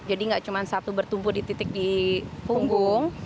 jadi gak cuma satu bertumbuh di titik di punggung